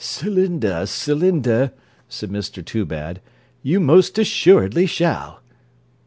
'Celinda, Celinda,' said Mr Toobad, 'you most assuredly shall.'